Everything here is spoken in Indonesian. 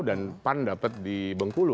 pan dapat di bengkulu